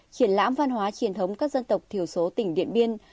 triển lãm văn hóa truyền thống các dân tộc thiểu số tỉnh điện biên